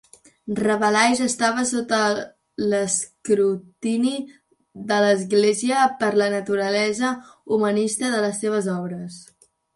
Rabelais estava sota l'escrutini de l'Església, per la naturalesa "humanista" de les seves obres.